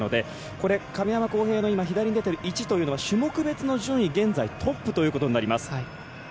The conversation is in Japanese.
これ、亀山耕平の左に出ていた１というのが種目別の順位、現在トップということになります。